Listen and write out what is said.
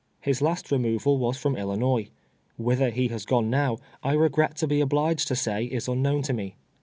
His last removal was from Illinois. Whither he has now gone, I re gret to be obliged to say, is unknown to me.